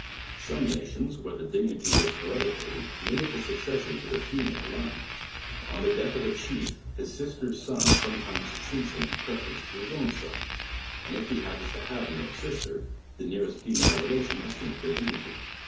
Some nations, where the dignity is hereditary, limit the succession to tho female line. On the death of a chief, his sister's son sometimes succeeds him in preference to his own son; and if ha happens to have no sister, the nearest female rela',i<|n assumes the dignity.